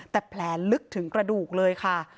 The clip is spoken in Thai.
แต่แผลลึกถึงกระดูกเลยค่ะ